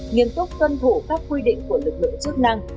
nghiêm túc tuân thủ các quy định của lực lượng chức năng